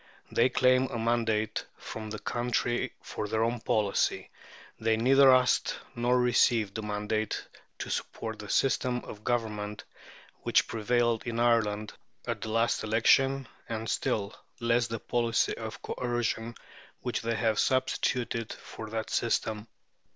They claim a mandate from the country for their policy. They neither asked nor received a mandate to support the system of Government which prevailed in Ireland at the last election, and still less the policy of coercion which they have substituted for that system.